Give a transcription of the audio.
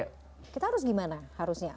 kita harus gimana harusnya